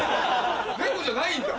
レゴじゃないんだ。